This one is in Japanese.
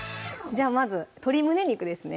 まず鶏胸肉ですね